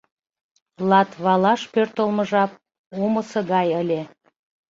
Латвалаш пӧртылмӧ жап омысо гай ыле.